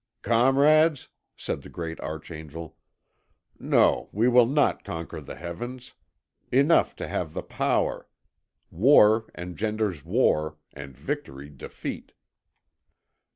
"Comrades," said the great archangel, "no we will not conquer the heavens. Enough to have the power. War engenders war, and victory defeat.